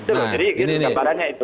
jadi itu kebarannya itu